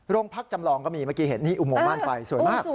จำลองก็มีเมื่อกี้เห็นนี่อุโมงม่านไฟสวยมาก